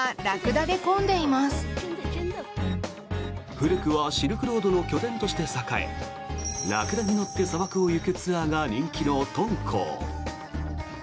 古くはシルクロードの拠点として栄えラクダに乗って砂漠を行くツアーが人気の敦煌。